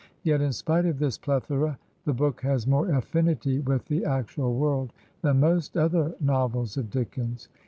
Yet in spite of this plethora, the book has more afiSnity with the actual world than most other n.ovels of Dickens.